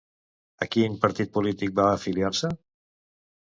A quin partit polític va afiliar-se?